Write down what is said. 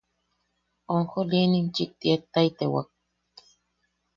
Onjolinim chikti ettaitewak.